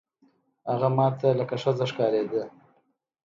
هغه ما ته لکه ښځه ښکارېده.